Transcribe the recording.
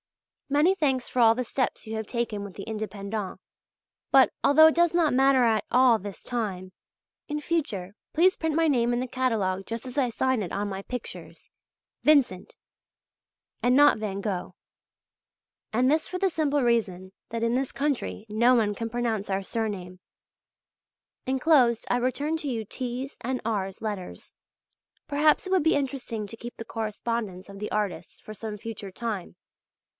Many thanks for all the steps you have taken with the "Indépendents," but although it does not matter at all this time in future please print my name in the catalogue just as I sign it on my pictures, i.e., Vincent, and not van Gogh; and this for the simple reason that in this country no one can pronounce our surname. Enclosed I return you T.'s and R.'s letters; perhaps it would be interesting to keep the correspondence of the artists for some future time.